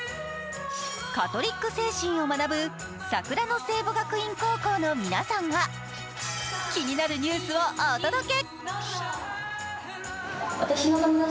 カトリック精神を学ぶ桜の聖母学院高校の皆さんが気になるニュースをお届け。